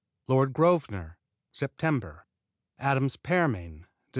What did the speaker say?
Lord Grosvenor Sept. Adams' Pearmain Dec.